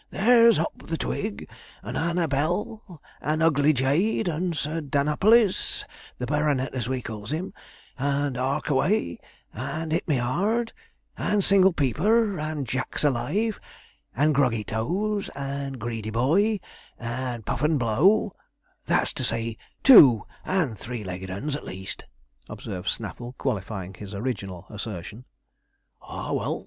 'There's Hop the twig, and Hannah Bell (Hannibal), and Ugly Jade, and Sir danapalis the Baronet as we calls him and Harkaway, and Hit me hard, and Single peeper, and Jack's alive, and Groggytoes, and Greedyboy, and Puff and blow; that's to say two and three legged 'uns, at least,' observed Snaffle, qualifying his original assertion. 'Ah, well!'